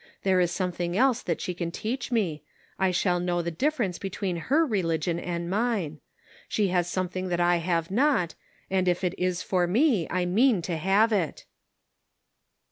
There is something else that she can teach me ; I shall know the difference between her religion and mine. She has something that I have not, and, if it is for me, I mean to have it."